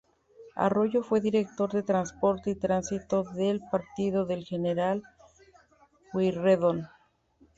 Arroyo fue Director de Transporte y Tránsito del Partido de General Pueyrredón.